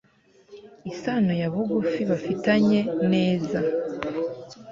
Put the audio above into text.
isano yabugufi bafitanye neza